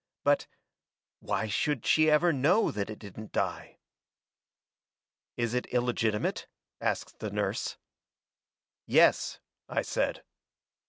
But why should she ever know that it didn't die?'" "'It is illegitimate?' asked the nurse. "'Yes,' I said."